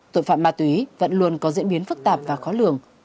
tội phạm ma túy vẫn luôn có diễn biến phức tạp và khó lường